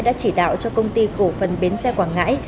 đã chỉ đạo cho công ty cổ phần bến xe quảng ngãi